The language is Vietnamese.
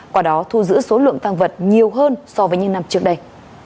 qua đó thu giữ số lượng tăng vật nhiều hơn so với những năm trước đây